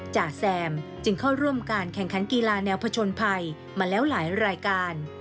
จ่าแซมจึงเข้าร่วมการแข่งขันกีฬาแนวผชนภัยมาแล้วหลายรายการ